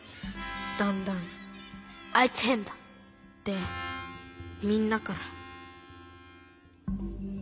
だんだん「あいつ変だ」ってみんなから。